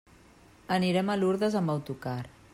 Anirem a Lurdes amb autocar.